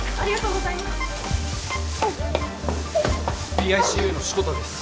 ＰＩＣＵの志子田です。